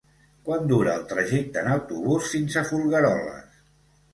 Quant dura el trajecte en autobús fins a Folgueroles?